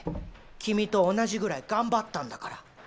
君と同じぐらい頑張ったんだから。